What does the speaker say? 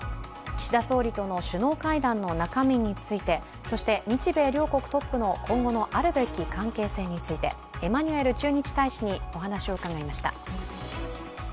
岸田総理との首脳会談の中身についてそして日米両国トップの今後のあるべき関係性についてエマニュエル駐日大使にお話を伺いました。